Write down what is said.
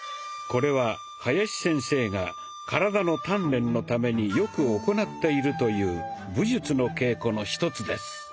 これは林先生が体の鍛錬のためによく行っているという武術の稽古の一つです。